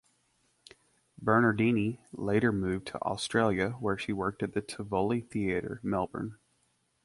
Bernardini later moved to Australia where she worked at the Tivoli Theatre, Melbourne.